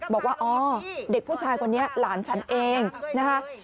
บอกว่าอ๋อเด็กผู้ชายคนนี้หลานฉันเองนะคะ